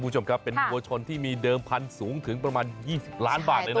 คุณผู้ชมครับเป็นวัวชนที่มีเดิมพันธุ์สูงถึงประมาณ๒๐ล้านบาทเลยนะ